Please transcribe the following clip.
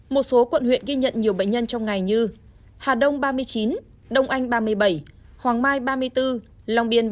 một số quận huyện ghi nhận nhiều bệnh nhân trong ngày như hà đông ba mươi chín đông anh ba mươi bảy hoàng mai ba mươi bốn long biên